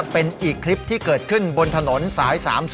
เป็นอีกคลิปที่เกิดขึ้นบนถนนสาย๓๐